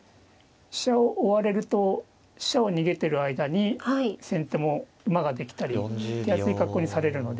飛車を追われると飛車を逃げてる間に先手も馬が出来たり手厚い格好にされるので。